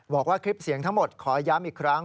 บอกว่าคลิปเสียงทั้งหมดขอย้ำอีกครั้ง